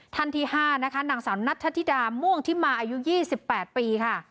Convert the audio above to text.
ท่านที่๕นะคะนางสาวนัทธิดาม่วงทิมาอายุ๒๘ปีค่ะ